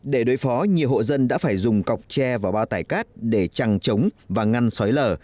để đối phó nhiều hộ dân đã phải dùng cọc tre và bao tải cát để chẳng chống và ngăn xói lở